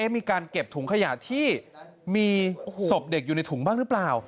มีการเก็บถุงขยะที่มีศพเด็กอยู่ในถุงบ้างหรือเปล่า